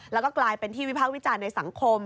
แล้วก็กลายเป็นที่วิพากษ์วิจารณ์ในสังคม